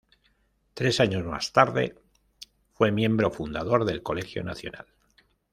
Tres años más tarde fue miembro fundador del Colegio Nacional.